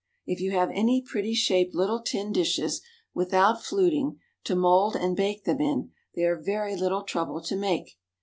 If you have any pretty shaped little tin dishes, without fluting, to mould and bake them in, they are very little trouble to make.